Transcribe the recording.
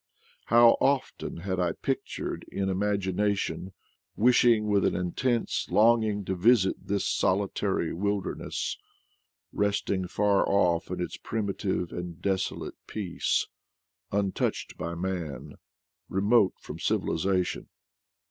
How often had I pictured in imagina tion, wishing with an intense longing to visit this solitary wilderness, resting far off in its primitive and desolate peace, untouched by man, remote from civilization!